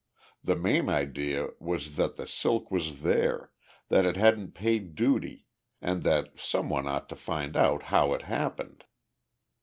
The main idea was that the silk was there, that it hadn't paid duty, and that some one ought to find out how it happened.